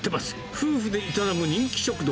夫婦で営む人気食堂。